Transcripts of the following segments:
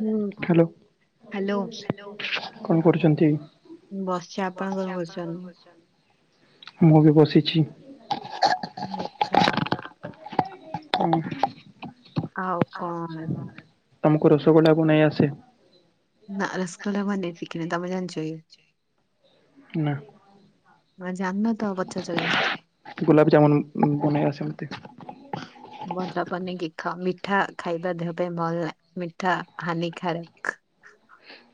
ହୁଁ hello hello କଣ କରୁଚନ୍ତି? ବସିଛି ଆପଣ କଣ କରୁଚନ୍ତ? ମୁଁ ବି ବସିଛି। ଆଚଛା। ହୁଁ ହୁଁ। ଆଉ କଣ? ତମକୁ ରସଗୋଲା ବନେଇ ଆସେ। ନା ରସ୍ଗୋଲା ଭନେଇ ସିକିନି ତମେ ଯାନଚ କି? ନା। ତମେ ଜାଣିନ ତ ପୁଚାରୁଛ କାଇଁ। ଗୋଲାପ ଜାମୁନ ବନେଇ ଆସନ୍ତି? ଭଜଲା ପନିକି ଖାଅ ମିଠା ଖାଇବା ଦେହ ପାଇଁ ଭଲ ନାହି ମିଠା ହାନିକାରକ।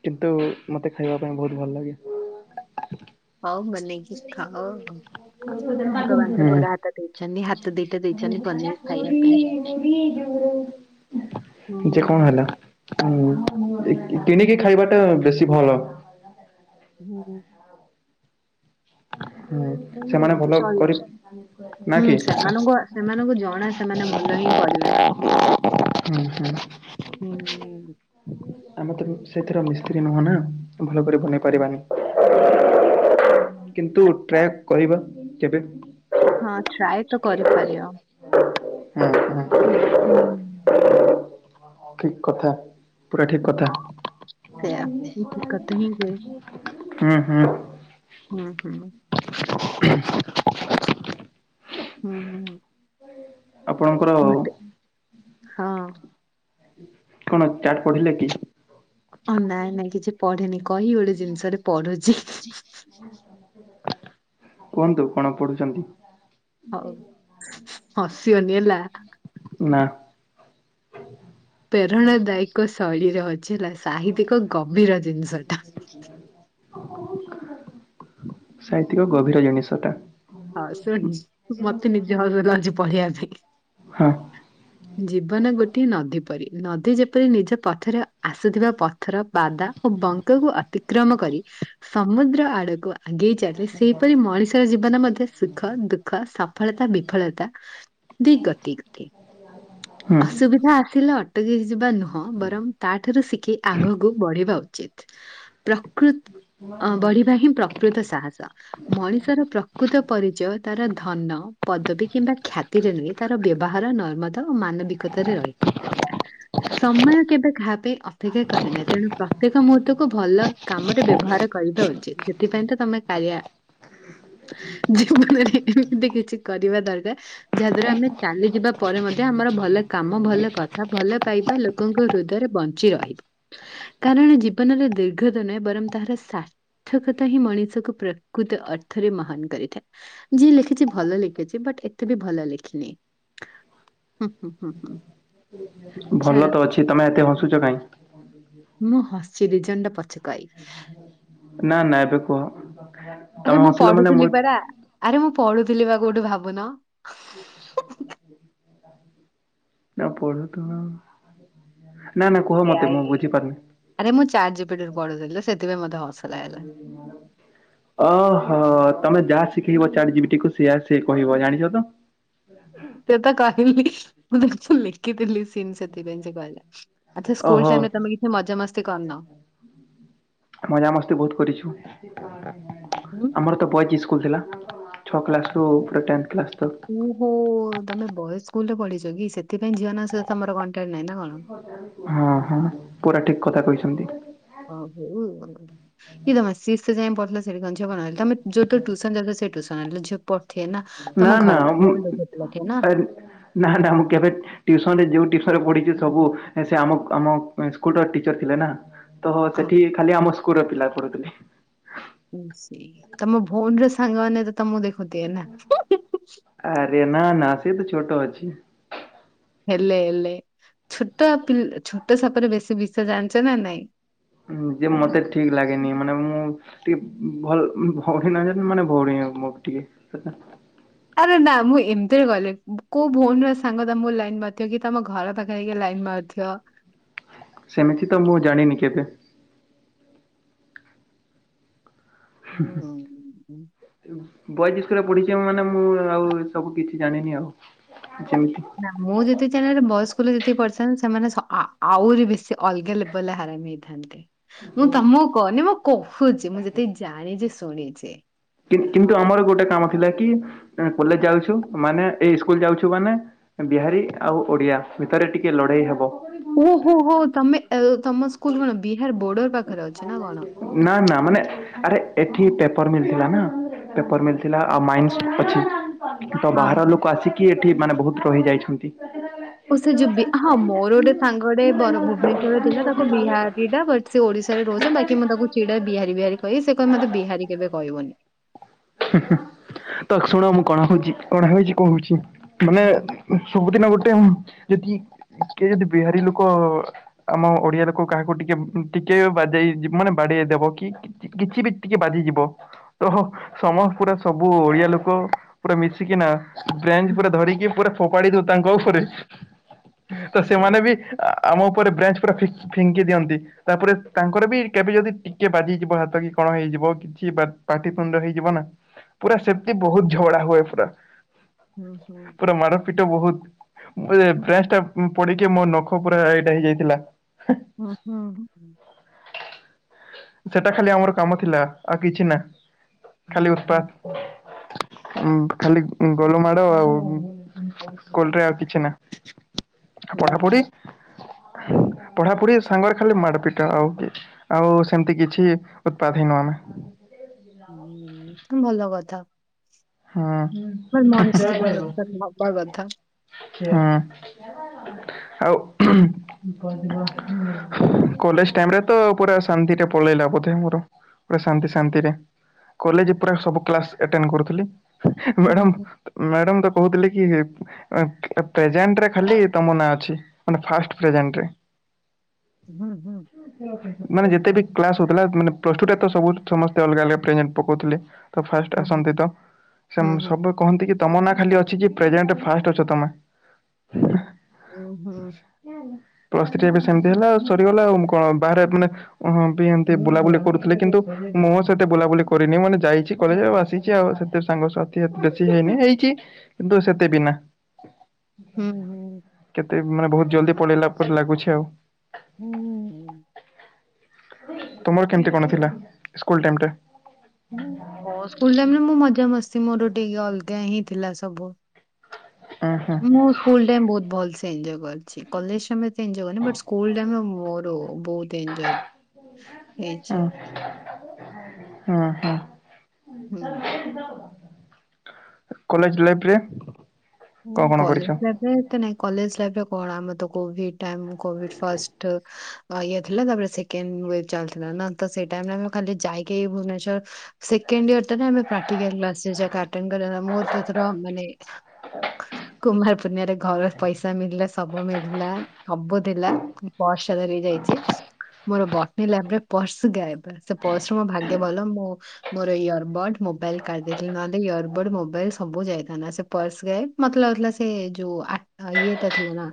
କିନ୍ତୁ ମତେ ଖାଇବା ପାଇଁ ବହୁତ ଭଲ ଲାଗେ। ହଉ ଵନେଇକି ଖାଅ। ଭଗବାନ୍ ତ ଗୋଡ ହୁଁ ହାତ ଦେଇଛନ୍ତି ହାତ ଦିଟା ଦେଇଛନ୍ତି ବନେଇ ଖାଇବା ପାଇଁ। ଯେ କଣ ହୁଁ ହେଲା କିଣିକି ଖାଇବାଟା ବେଶୀ ଭଲ। ହୁଁ। ହୁଁ ନ ସେମାନେ ଭଲ ଚଲ। କରି ନା ହୁଁ କି? ସେମାନଙ୍କୁ ସେମାନଙ୍କୁ ଜଣା ସେମାନେ ଭଲ ହିଁ କରିବେ ନା। ହୁଁ ହୁଁ [inaudible] ହୁଁ [inaudible] ଆମ ତ ସେଥିର ମିସ୍ତ୍ରୀ ନୁହଁ ନା ଭଲ କରି [unintelligible] ହଁ ହୁଁ ହ [inaudible] କିନ୍ତୁ ଟ୍ରାକ୍ କରିବା କେବେ ହଁ ଟ୍ରାଏ ତ କରିପାରିବା। ହଁ ହଁ [inaudible] ହୁଁ [inaudible] ଠିକ କଥା। ପୁରା ଠିକ କଥା ହ ସେଇୟା ମୁ ଦକତ ହିଁ ହୁଏ [unintelligible] ହୁଁ ହୁଁ। ହୁଁ ହୁଁ। [inaudible] ହୁଁ ହୁଁ ହୁଁ [unintelligible] ଆପଣଙ୍କର ମ ହଁ [inaudible] କଣ ଚାଟ୍ ପଢିଲେ କି? ହ ନାଇଁ ନାଇଁ କିଛି ପଢେନି କହି ଗୋଟେ ଜିନିଷ ରେ ପଢୁଛି। [inaudible] କୁହନ୍ତୁ କଣ ପଢୁଛନ୍ତି? ହଉ ହସିବନି ହେଲା। ନା। ପ୍ରେରଣାଦାୟକ ଶୈଳୀରେ ଅଛି ହେଲା ସାହିତ୍ୟିକ ଗଭୀର ଜିନିଷ ଟା। ହ [inaudible] ଓ ହ ସୁ [unintelligible] ସାହିତ୍ୟିକ ଗଭୀର ଏଇ ଜିନିଷ ଟା। ହଁ ଶୁଣି ମତେ ନିଜ ହସ ଲାଗଛି ପଢିବା ପାଇଁ [unintelligible] ହଁ। [inaudible] ଜୀବନ ଗୋଟିଏ ନଦୀ ପରି ନଦୀ ଯେପରି ନିଜ ପଥରେ ଆସୁଥିବା ପଥର ବାଦା ଓ ବଙ୍କା କୁ ଅତିକ୍ରମ କରି ସମୁଦ୍ର ଆଡକୁ ଆଗେଇ ଚାଲିଲେ ସେହିପରି ମଣିଷର ଜୀବନ ମଧ୍ୟ ସୁଖ ଦୁଃଖ ସଫଳତା ବିଫଳତା ଦି ଗତି କଟରେ। ହୁଁ ଅସୁବିଧା ଆସିଲେ ଅଟକି ଯିବା ନୁହଁ ବରଂ ତାଠାରୁ ଶିଖି ଆଗକୁ ବଢିବା ଉଚିତ। ପ୍ରକୃତ ବଢିବା ହିଁ ପ୍ରକୃତ ସାହସ ମଣିଷର ପ୍ର ପ୍ରକୃତ ପରିଚୟ ତାର ଧନ। ପଦବୀ କିମ୍ବା ଖ୍ୟାତିରେ ନୁହେଁ ତାର ବ୍ୟବହାର ନର୍ମଦା ଓ ମାନବିକତାରେ ରହିଥାଏ। ହ [inaudible] ସମୟ କେବେ କାହା ବି ଅପେକ୍ଷା କରେ ନାହିଁ ତେଣୁ ପ୍ରତ୍ୟେକ ମୁହୂର୍ତ୍ତକୁୁ ଭଲ କାମରେ ବ୍ୟବହାର କରିବା ଉଚିତ। ସେଥିପାଇଁ ତମେ କାାରିଆ। ଜୀବନରେ ଏମିତି କିଛି କରିବା ଦରକାର ଯାହାଦ୍ଵାରା ଆମେ ଚାଲିଯିବା ପରେ ମଧ୍ୟ ଆମର ଭଲ କାମ ଭଲ କଥା ଭଲ ପାଇବା ଲ ଲୋକଙ୍କ ହୃଦୟରେ ବଞ୍ଚି ରହିବ କାରଣ ଜୀବନରେ ଦୀର୍ଘ ନୁହେଁ ବରଂ ତାହାର କ୍ଷମତା ହି ମଣିଷକୁ ପ୍ରକୃତ ଅର୍ଥରେ [unintelligible] ଥା ଯିଏ ଲେଖିଚି ଭଲ ଲେଖିଚି ବଟ୍ ଏତେ ବି ଭଲ ଲେଖିନି। ହୁଁ ହୁଁ ହୁଁ ହୁଁ। ଭଲ ଛାଡ଼ ତ ଅଛି ତମେ ଏତେ ହସୁଚ କାଇଁ। ମୁଁ ହସିି ଦିଇ ଜଣ୍ଡ ପଛକ ନା ନା ଏବେ କୁହ? ଆରେ ତମେ ମୁଁ ହସିଲ ମାନେ ପଢୁଥିଲି ମୁଁ ପରା ଆରେ ମୁଁ ପଢୁଥିଲି ବା କୋଉଠୁ ଭାବୁନ? [unintelligible] ନା ପଢ ତୁନ ନା ନା କୁହ ମତେ ମୁଁ ବୁଝିପାରୁନି। ଆରେ ମୁଁ ଚାରଜିପିଟିରୁ ପଡୁଥିଲି ତ ସେଥିପାଇଁ ମୋତେ ହସ ଲାଗିଲା। [unintelligible] ଓହୋ ତମେ ଯାହା ଶିଖେଇବ ଚାଟଯିବିଟିକୁ ସେଆ ସେଏ କହିବ ଜାଣିଚ ତ? ତ ତ କହିଲି ମୁଁ ଦେଖୁ ଲେଖିଥିଲି ସିନ୍ ସେଥିପାଇଁ ସେ କହିଲା। ଆଚ୍ଛା ସ୍କୁଲ ଓହୋ ଟାଇମରେ ତମେ କିଛି ମଜାମସ୍ତି କରିନ। ମଜାମସ୍ତି ବହୁତ୍ କରିଛୁ। ହୁଁ? ଆମର ତ ବଏଜ୍ ସ୍କୁଲ୍ ଥିଲା ଛଅ କ୍ଲାସ୍ରୁ ପୁରା ଟେନ୍ଥ କ୍ଲାସ ତ। ତୁ ହୋ ତମେ ବଏ ସ୍କୁଲରେ ପଢ଼ିଚ କି ସେଥିପାଇଁ ଝିଅନଙ୍କ ସହିତ ତମର କଣ୍ଟାକ୍ଟ ନାହିଁ ନା କଣ? ହଁ ହଁ ପୁରା ଠିକ୍ କଥା କହିଛନ୍ତି। ଓ ହଉ। କି ସିକସ ଯାଏ ପଥିଲା ସେଠି [unintelligible] ତମ ଯୋଉଠୁ ଟୁସନ୍ ଯାଉଥିଲ ସେଇ ଟୁସନ୍ [unintelligible] ଥିଏନା ନା ତମ ନା ଘର ମୁଁ ପାଖରେ ବି ବହୁତ ପିଲା ଥିବେ ନା। ଏ ନା ନା ମୁଁ କେ୍ୟବେଟ୍ ଟ୍ୟୁସନରେ ଯୋଉ [unintelligible] ପଡିଚି ସବୁ ସେ ଆମ ଆମ ସ୍କୁଲ ଟିଚର ଥିଲେ ନା। ତ ଓ ସେଠି ଖାଲି ଆମ ସ୍କୁଲର ପିଲା ପଢୁଥିଲେ। ସେଇ ତମ ଭଉଣୀର ସାଙ୍ଗମାନେ ତ ତମକୁ ଦେଖୁଥିଏ ନା। ଆରେ ନା ନା ସେ ତୁ ଛୋଟ ଅଛି। ହେଲେ ହେଲେ ଛୋଟ ପିଲ୍ ଛୋଟ ସାପର ବେଶୀ ବିଷ ଜାଣିଚ ନା ନାଇଁ। ଯେ ମତେ ଠିକ୍ ଲାଗେନି ମାନେ ମୁଁ ଟିକେ ଭଲ ଭଉଣୀ ନ ଜ ମାନେ ଭଉଣୀବ ମୋ ଟିକେ [unintelligible] ଆରେ ନା ମୁଁ ଏମ୍ତିରେ କଇଲି କୋଉ ଭଉଣୀର ସାଙ୍ଗ [unintelligible] ଲାଇନ୍ ବାଥିବ କି ତମ ଘର ପାଖ୍ [unintelligible] ଲାଇନ୍ ମାରୁଥିବ। ସେମିତି ତ ମୁଁ ଜାଣିନି କେବେ। ହୁଁ। ବଏଜ୍ ସ୍କୁଲରେ ପଢିଚି ମାନେ ମୁଁ ଆଉ ସବୁ କିଛି ଜାଣିନି ଆଉ ଯେମ୍ତି ନା ମୁଁ ଯେତେ [unintelligible] ବଏ ସ୍କୁଲରେ ଯେତିକି ପଢିଥାନ୍ତି ସେମାନେ ଆ ଆହୁରି ବେଶୀ ଅଲଗା ଲେବଲରେ ହାରାମି। [unintelligible] ମୁଁ ତମକୁ କହନି ମୁଁ କହୁଚି ମୁଁ ଯେତିକି ଜାଣିଚି ଶୁଣିଚି। କିନ୍ତୁ ଆମର ଗୋଟେ କାମ ଥିଲା କି କଲେଜ ଯାଉଛୁ ମାନେ ଏଇ ଇସ୍କୁଲ ଯାଉଛୁ ମାନେ ବିହାରୀ ଆଉ ଓଡିଆ ଭିତରେ ଟିକେ ଲଢେଇ ହବ। ଓହୋ ହୋ ତମେ ଏ ତମ ସ୍କୁଲ କଣ ବିହାର ବୋର୍ଡର ପାଖରେ ଅଛି ନା କଣ? ନା ନା ମାନେ ଆରେ ଏଠି ପେପର ମିଳିଥିଲା ନା। ପେପର ମିଥିଲା ଆଉ ମାଇନ୍ସ ଅଛି। ତ ବାହାର ହଁ ଲୋକ ଆସିକି ଏଠି ମାନେ ବହୁତ୍ ରହି ଯାଇଛନ୍ତି। ଓ ସେ ଯିବି ହଁ ମୋର ଗୋଟେ ସାଙ୍ଗ ଗୋଟେ [unintelligible] ଭୁବନେଶ୍ଵର ଥିଲା ତାକୁ କୁ ବିହାରୀଟା ବଟ୍ ସେ ଓଡିଶାରେ ରହୁଚି ବାକି ମୁଁ ତାକୁ ଛିଡା ବିହାରୀ ବିହାରୀ କହି ସେ କହ ମତେ ବିହାରୀ କେବେ କହିବନି। ହୁଁ-ହୁଁ ତ ଶୁଣ ମୁଁ କଣ ହଉଚି, କଣ ହେଇଚି କହୁଚି ମାନେ ହୁଁ ସବୁଦିନ ଗୋଟେ ଯଦି କିଏ ଯଦି ବିହାରୀ ଲୋକ ଆମ ଓଡିଆ ଲୋକ କାହାକୁ ଟିକେ-ଟିକେ ବାଜେଇ ମାନେ ବାଡେଇ ଦବ କି? କିଛି ବି ଟିକେ ବାଜିଯିବ ତ ସମ ପୁରା ସବୁ ଓଡିଆ ଲୋକ ପୁରା ମିଶିକିନା [unintelligible] ପୁରା ହୁଁ ଧରିକି ପୁରା ଫୋପାଡି ଦଉ ତାଙ୍କ ଉପରେ ତ ଓକେ ସେମାନେ ବି ଆମ ଉପରେ ବ୍ରାଞ୍ଚ ପୁରା ଫି ଫିଙ୍କି ଦିଅନ୍ତି। ତାପରେ ତାଙ୍କର ବି କେବେ ଯଦି ଟିକେ ବାଜିଯିବ ହାତ କି କଣ ହେଇଯିବ କିଛି ବା ପାଟିିତୁଣ୍ଡ ହେଇଯିବ ନା, ପୁରା ସେମ୍ତି ବହୁତ୍ ଝଗଡା ହୁଏ ପୁରା। ହୁଁ ହୁଁ ପୁରା ମାଡ ପିଟ ବହୁତ୍ [unintelligible] ପଡିକି ମୋ ନଖ ପୁରା ଏଇଟା ହେଇଯାଇଥିଲା। ହୁଁ-ହୁଁ। ସେଟା ଖାଲି ଆମର କାମ ଥିଲା, ଆଉ କିଛି ନା ହୁଁ ଖାଲି ହୁଁ ଉତ୍ପାତ୍ ଉଁ ଖାଲି ଗଲୁ ମାଡ଼ ଆଉ ସ୍କୁଲ୍ ରେ ଆଉ କିଛି ନା, ହୁଁ ପଢାପଢି ହୁଁ ପଢାପଢି ସାଙ୍ଗରେ ଖାଲି ମାଡ ପିଟା ଆଉ କି ଆଉ ସେମ୍ତି କିଛି ଉତ୍ପାତ ହେଇନୁ ଆମେ। ଭଲ କଥା। ହଁ। [unintelligible] ମଣିଷ [unintelligible] ନବା କଥା। ହଁ, ଆଉ କଲେଜ୍ ଟାଇମ୍ ରେ ତ ପୁରା ଶାନ୍ତି ଟା ପଳେଇଲା ବୋଧେ ମୋର। ପୁରା ଶାନ୍ତି ଶାନ୍ତିରେ କଲେଜ୍ ପୁରା ସବୁ କ୍ଲାସ୍ ଏଟେଣ୍ଡ କରୁଥିଲି, ହୁଁ ମେଡମ୍ ହୁଁ ମ୍ୟାଡମ୍ ତ କହୁଥିଲେ କି ପ୍ରେଜେଣ୍ଟରେ ଖାଲି ତମ ନାଁ ଅଛି। ମାନେ ଫାଷ୍ଟ ପ୍ରଜେଣ୍ଟରେ। [inaudible] ମାନେ ଯେତେ ବି କ୍ଲାସ ହଉଥିଲା ମାନେ ପ୍ଲସ୍ ଟୁ ଟା ତ ସବୁ ସମସ୍ତେ ଅଲଗା-ଅଲଗା ପ୍ରେଜେଣ୍ଟ ପକଉଥିଲେ। ତ ଫାଷ୍ଟ ହୁଁ ହୁଁ। ଆସନ୍ତି ତ ସେ ହୁଁ ହୁଁ ସବୁ କହନ୍ତି କି ତମ ନାଁ ଖାଲି ଅଛି କି ପ୍ରେଜେଣ୍ଟରେ ଫାଷ୍ଟ ଅଛ ତମେ। ଉଁହୁଁ। ପ୍ଲସ୍ ଥ୍ରି ଏବେ ସେମ୍ତି ହେଲା ଆଉ, ସରିଗଲା ଆଉ ମୁଁ କଣ ବାହାରେ ମାନେ ହଁ ବି ଏମ୍ତି ବୁଲାବୁଲି କରୁଥିଲେ କିନ୍ତୁ ମୁଁ ସେତେ ବୁଲାବୁଲି କରିନି ମାନେ ଯାଇଚି କଲେଜ୍ ଆଉ ଆସିଚି ଆଉ ସେତେ ସାଙ୍ଗସଥି ଏତ୍ ବେଶୀ ହେଇନି ହେଇଚି କିନ୍ତୁ ସେତେ ବି ନା। ହୁଁ ହୁଁ। କେତେ ମାନେ ବହୁତ୍ ଜଲ୍ଦି ପଳେଇଲା ଲାଗୁଛି ଆଉ। ହୁଁ-ଉଁ। ତୁମର କେମ୍ତି କଣ ଥିଲା, ସ୍କୁଲ୍ ଟାଇମ୍ ଟା? ମୋ ସ୍କୁଲ୍ ଟାଇମ୍ ରେ ମୁଁ ମଜା ମସ୍ତି ମୋର ଟିକେ ଅଲଗା ହିଁ ଥିଲା ସବୁ। ଉଁ-ହୁ। ମୁଁ ସ୍କୁଲ୍ ଟାଇମ୍ ବହୁତ୍ ଭଲ୍ସେ ଏଞ୍ଜୟ୍ କରିଛି। କଲେଜ୍ [unintelligible] ଏତେ ଏଞ୍ଜୟ୍ କରିନି ବଟ ସ୍କୁଲ୍ ଟାଇମ୍ ରେ ମୋର ବହୁତ୍ ଏଞ୍ଜୟ୍ ହେଇଛି। ହଁ-ହଁ। ହୁଁ। କଲେଜ୍ ଲାଇଫ୍ ରେ [unintelligible] କଲେଜ୍ ଲାଇଫ୍ ରେ ଏତେ ନାଇଁ, କଲେଜ୍ ଲାଇଫ୍ ରେ [unintelligible] ତ କୋଭିଡ ଟାଇମ୍ କୋଭିଡ୍ ଫାଷ୍ଟ ଇଏ ଥିଲା ତାପରେ ସେକଣ୍ଡ ୱ ଚାଲିଥିଲା ନା ତ ସେଇ ଟାଇମରେ ଆମେ ଖାଲି ଯାଇକି ଭୁବନେଶ୍ଵର ସେକେଣ୍ଡ ଇୟର ତ ଆମେ ପ୍ରାଟୀକାଲ କ୍ଲଶେଷ ଆଟେଣ୍ଡ କରିବା କଥା ମୋର ତ ଏଥର ମାନେ। କୁମାର ପୂର୍ଣ୍ ରେ ଘର ପଇସା ମଳିଲା ସବୁ ମିଳିଲା ସବୁ ଥିଲା ବ ସାଲେରୀ ଯାଇଛି। ମୋର ବଟିନି ଲ୍ୟବରେ ପର୍ସ ଗାଏବ ସେ ପର୍ସ ମୋ ଭାଗ୍ୟ ଭଲ ମୁଁ ମୋର ଇୟରବଡ ମୋବାଇଲ କାଢଦେଇଥିଲି ନହେଲେ ଇୟରବଡ ମୋବାଇଲ ସବୁ ଯାଇଥାଆନ୍ତା ସେ ପର୍ସ [inaudible] ମତେ ଲାଗୁଥିଲା ସେ ଯୋଉ ଆ ଇଏଟା ଥିବନା।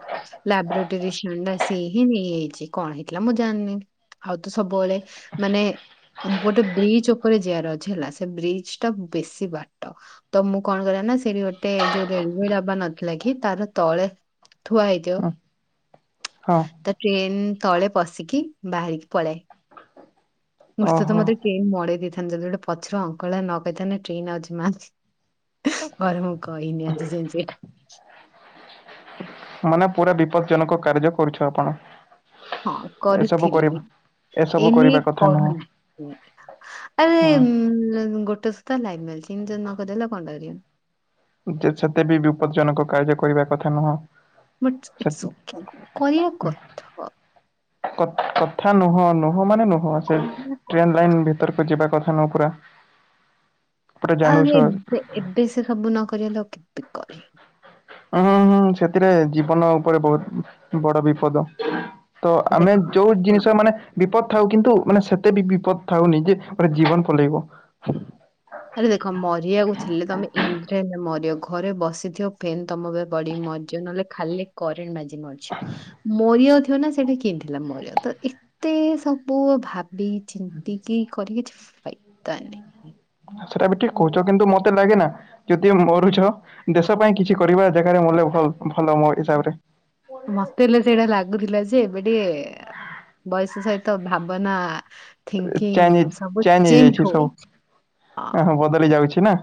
ଲାବ୍ରରେଟେରୀ ସ୍ୟାଣ୍ଡା ସେହିଁ ନେଇଯାଇଛି କଣ ହେଇଥିଲା ମୁଁ ଜାଣିନି। ଆଉ ତ ସବୁବେଳେ ମାନେ ଗୋଟେ ବ୍ରିଜ ଉପରେ ଯିବାର ଅଛି ହେଲା ସେ ବ୍ରିଜ ଟା ବେଶୀ ବାଟ। ତ ମୁଁ କଣ କରେ ନା ସେଇଠି ଗୋଟେ। ଯୋଉ ରେଡିମେଡି ଆବା ନଥିଲା କି ତାର ତଳେ ଥୁଆ ହେଇଥିବ। ହଁ ହଁ। ତ ଟ୍ରେନ ତଳେ ପଶିକି ବାହାରିକି ପଳାଏ। ମୃଶତ ଓହୋ ମୋତେ ଟ୍ରେନ ମଡେଇ ଦେଇଥାନ୍ତା ଯଦି ଗୋଟେ ପଛରେ ଅଙ୍କଳ ନ କହିଥାନ୍ତା ଟ୍ରେନ୍ ଆଉଛି ମା। ଘରେ ମୁଁ କହିଁନି ଆଜି ଯାଏଁ ପରା। ମାନେ ପୁରା ବିପଦଜନକ କାର୍ଯ୍ୟ କରୁଛ ଆପଣ। ହଁ ଏସବୁ କରିବା କରୁଥିଲି ଏସବୁ ଏଇନେ କରିବା କଥା ନୁହଁ କରୁନାହିଁ। ଆରେ ହୁଁ ଗୋଟେ ସୂତା ଲାଇନ୍ ମାରିଛି ଏମିତି ଯେଦିନକରିବ ତାହାଲେ ଆଉ କଁଟା କରିବ। ଉଚିତ ସତ୍ୱୟ ବି ବିପଦ ଜନକ କାର୍ଯ୍ୟ କରିବା କଥା ନୁହଁ। ବଟ ସେ ଇଟସ ଓକେ କରିବା କଥା। କ-କଥା ନୁହଁ ନୁହଁ ମାନେ ନୁହଁ ସେ କରିବା କଥା ଟ୍ରେନ ଲାଇନ ଭିତରକୁ ଯିବା କଥା ନୁହଁ ପୁରା। ପୁରା ଜାଣୁଛ ଆହୁରି ଏବେ ଏବେ ସେ ସବୁ ନ କରିହେଲେ ଆଉ କେତେ କରିବ। ହଁ ହଁ ସେଥିରେ ଜୀବନ ଉପରେ ବହୁତ ବଡ ବିପଦ। ହଁ ଦେଖ ଆମେ ଯୋଉ ଶୁଣ ଜିନିଷ ମାନେ ବିପଦ ଥାଉ କିନ୍ତୁ ମାନେ ସେତେ ବି ବିପଦ ଥାଉନି ଯେ ଜୀବନ ପଲେଇବ। ଆରେ ଦେଖ ମରିବାକୁ ଥିଲେ ତ ଆମେ ଇନ୍ଭିଟ ମରବ ଘରେ ବସିଥିବ ଫେନ୍ ତମ ଉପରେ ପଢି ମରିଯିବ ନହେଲେ। ଖାଲି କରେଣ୍ଟ ବାଜି ମରିଯିବ ମାରିବାଗୁ ଥିବନା ସେଠି କେନ୍ତି। ହେଲା ମରିଯାଉଥାଏ ତ ଏତେ ସବୁ ଭାବି ଚିନ୍ତିକି କରି କି ଥାଏ। ତାନି। ସେଟା ବି ଠିକ୍ କହୁଚ କିନ୍ତୁ ମତେ ଲାଗେ ନା ଯେତିକି ମରୁଛ ଦେଶ ପାଇଁ କିଛି କରିବା ଜାଗାରେ ମଲେ ଭଲ ଭଲ ମୋ ହିସାବରେ। ମତେ ହେଲେ ସେଇଟା ଲାଗୁଥିଲା ଯେ ଏବେ ଟିଏ। ବୟସ ସହିତ ଭାବନା। ଚେଞ୍ଚ ଥିଙ୍କିଙ୍ଗ ସବୁ ଚେଞ୍ଚ ଚେଞ୍ଜ ହେଇଯାଇଛି ହଉ ସବୁ ହଁ ଓହୋ ବଦଳି ଯାଉଛି ନା।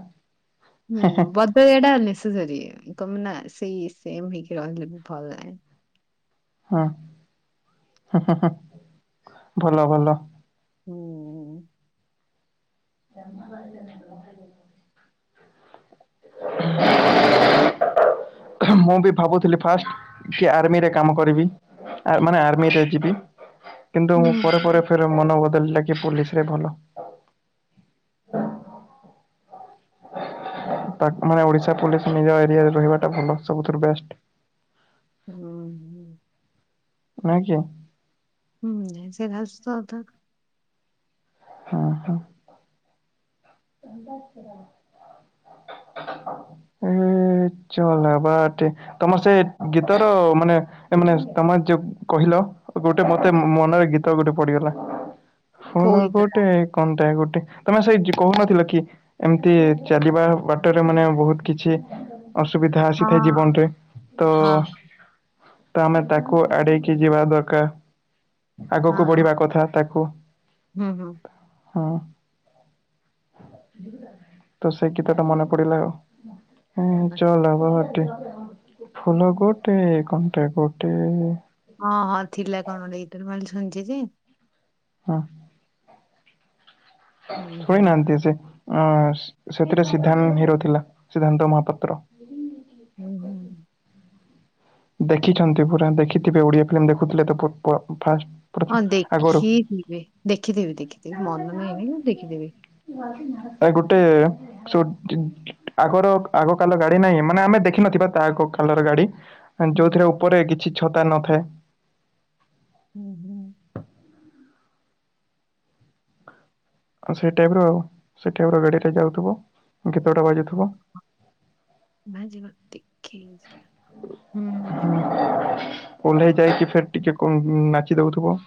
ହୁଁ ବଦଳିବାଟା ନେଶେସରୀ କାହିଁକିନା ସେଇ ସେମ ହେଇକି ରହିଲେ ବି ଭଲ ନା। ହଁ ହଁ ହଁ ଭଲ ଭଲ। ହୁଁ। [unintelligible] [unintelligible] ମୁଁ ବି ଭାବୁଥିଲି ଫାଷ୍ଟ କି ଆର୍ମିରେ କାମ କରିବି। ଆ-ମାନେ ଆର୍ମିରେ ଯିବି। କିନ୍ତୁ ହୁଁ ପରେ ପରେ ଫେର ମନ ବଦଳିଲା କି ପୋଲିସରେ ଭଲ। ତା ମାନେ ଓଡିଶା ପୋଲିସ ନିଜ ଏରିଆରେ ରହିବାଟା ଭଲ ସବୁଥିରୁ ବେଷ୍ଟ। ହୁଁ। Thank you. ହୁଁ ସେ ଖାଉଚି ତ ଅଧା। ହଁ ହଁ। ଅଣ୍ଡା କ୍ଷୀର ହ ଏ ଚଲା ବାଟେ ତମର ସେ ଗୀତର ମାନେ ଏ ମାନେ ତମର ଯୋଉ କହିଲ। ଗୋଟେ ମତେ ମନରେ ଗୀତ ଗୋଟେ ପଡିଗଲା ଫୁଲ ଗୋଟେ କଣ୍ଟା ଗୋଟେ ତମେ ସେଇ ଯେ କହୁନଥିଲ କି ଏମିତି ଚାଲିବା ବାଟରେ ମାନେ ବହୁତ କିଛି ଅସୁବିଧା ଆସିଥାଏ ଜୀବନରେ ତ ତ ଆମେ ତାକୁ ଆଡେଇକି ଯିବା ଦରକାର ଆଗକୁ ବଢିବା କଥା ତାକୁ ହୁଁ ହୁଁ। ହଁ, ତ ସେଇ ଗୀତ ଟା ମନେ ପଡିଲା ଆଉ। ହୁଁ ଚଲବାଟେ। ଫୁଲ ଗୋଟେ କଣ୍ଟା ଗୋଟେ ହଁ ହଁ ଥିଲା କଣ ଗୋଟେ ଗୀତଟେ ମୁ ଶୁଣିଛି ଯେ। ହଁ। ହୁଁ, ହୁଁ, ଶୋଇନାହାନ୍ତି ସେ ଅ ସେଥିରେ ସିଦ୍ଧାନ୍ତ ହିରୋ ଥିଲା ସିଦ୍ଧାନ୍ତ ମହାପାତ୍ର। ହୁଁ ହୁଁ। ଦେଖିଛନ୍ତି ପୁରା ଦେଖିଥିବେ ଓଡିଆ ଫିଲ୍ମ ଦେଖୁଥିଲେ ତ ପୁ ପୁରା ଫାଷ୍ଟ୍। ହଁ ଦେଖିଥିବି ଦେଖିଥିବି ଦେଖିଥିବି ମନ ନାହିଁ ନାଇଁ ମୁଁ ଦେଖିଥିବି। ଆ ଗୋଟେ ଯୋଉ ଚ ଆଗର ଆଗ କାଲ ଗାଡି ନାହିଁ ମାନେ ଆମେ ଦେଖିନଥିବା ତା ଆଗ କାଲର ଗାଡି। ଯୋଉଥିରେ ହୁଁ, ଉପରେ କିଛି ଛତା ନଥାଏ। ହୁଁ ହୁଁ। ସେଇ ଟାଇମ ରୁ ଆଉ ସେ ଟାଇପ ର ଗାଡିଟା ଯାଉଥିବ ଗୀତଟା ବାଜୁଥିବ। ଭଜିେ ଭତି ଖେ ହୁଁ। ଓହ୍ଲେଇ ଯାଇକି ଫେର୍ ଟିକେ କଣ ନାଚି ଦେଉଥିବ।